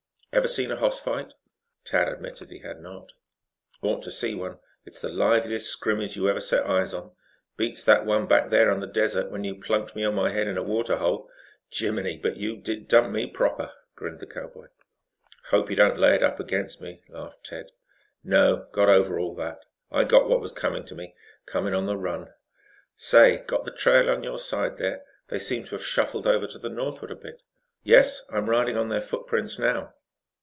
Ever see a hoss fight?" Tad admitted that he had not. "Ought to see one. It's the liveliest scrimmage that you ever set eyes on. Beats that one back there on the desert, when you plunked me on my head in a water hole. Jimminy! but you did dump me proper," grinned the cowboy. "Hope you don't lay it up against me," laughed Tad. "No. Got all over that. I got what was coming to me coming on the run. Say, got the trail on your side there? They seem to have shuffled over to the northward a bit." "Yes, I'm riding on their footprints now."